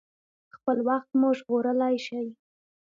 خپل وخت مو ژغورلی شئ.